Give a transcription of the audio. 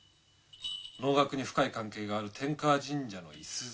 能楽に深い関係がある天河神社の五十鈴。